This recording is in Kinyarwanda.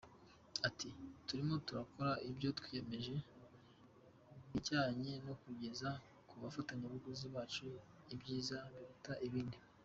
Ati “Turimo turakora ibyo twiyemeje bijyanye no kugeza ku bafatabuguzi bacu ibyiza biruta ibindi.